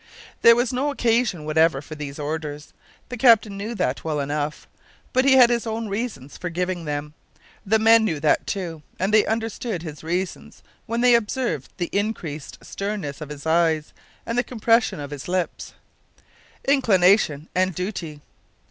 There was no occasion whatever for these orders. The captain knew that well enough, but he had his own reasons for giving them. The men knew that, too, and they understood his reasons when they observed the increased sternness of his eyes, and the compression of his lips. Inclination and duty!